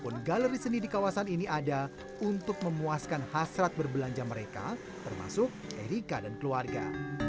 pun galeri seni di kawasan ini ada untuk memuaskan hasrat berbelanja mereka termasuk erika dan keluarga